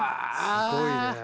すごいね。